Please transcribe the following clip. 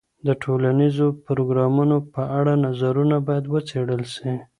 د ټولنیزو پروګرامونو په اړه نظرونه باید وڅېړل سي.